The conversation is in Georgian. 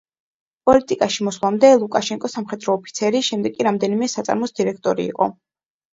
პოლიტიკაში მოსვლამდე ლუკაშენკო სამხედრო ოფიცერი, შემდეგ კი რამდენიმე საწარმოს დირექტორი იყო.